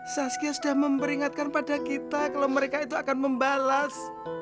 saskio sudah memperingatkan pada kita kalau mereka itu akan membalas